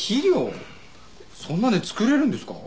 そんなので作れるんですか？